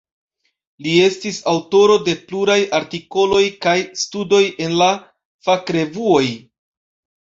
Li estis aŭtoro de pluraj artikoloj kaj studoj en la fakrevuoj.